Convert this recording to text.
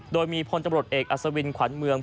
โดยมีพลตำรวจเอกอัศวินขวัญเมือง